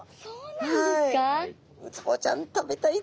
はい！